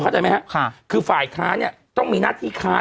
พอค้าใจไหมฮะค่ะคือฝัยคารเนี้ยต้องมีนัดที่คาร